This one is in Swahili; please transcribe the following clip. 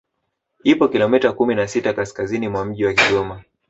Ipo kilomita kumi na sita kaskazini mwa mji wa Kigoma